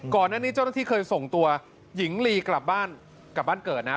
ก่อนหน้านี้เจ้าหน้าที่เคยส่งตัวหญิงลีกลับบ้านกลับบ้านเกิดนะ